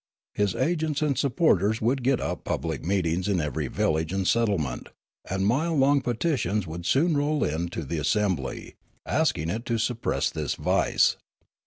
His agents and supporters would get up public meetings in every village and settlement ; and mile long petitions would soon roll in to the assembly, asking it to suppress this vice.